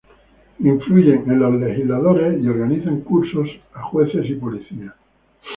influyen en los legisladores y organizan cursos a jueces y policías